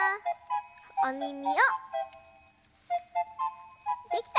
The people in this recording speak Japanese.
おみみをできた！